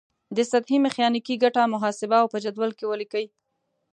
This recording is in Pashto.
د سطحې میخانیکي ګټه محاسبه او په جدول کې ولیکئ.